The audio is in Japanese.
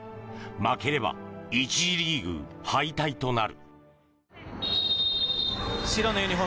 負ければ１次リーグ敗退となる。